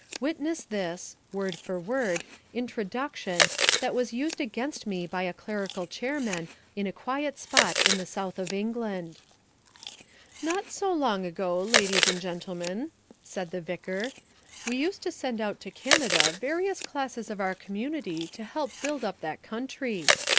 Witness this (word for word) introduction that was used against me by a clerical chairman in a quiet spot in the south of England: "Not so long ago, ladies and gentlemen," said the vicar, "we used to send out to Canada various classes of our community to help build up that country.